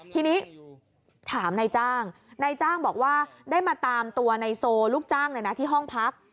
ทีนี้ถามนายจ้างนายจ้างบอกว่าได้มาตามตัวนายโซลูกจ้างเลยนะที่ห้องพัก